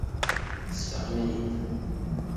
Tesfaqem-iyi-id.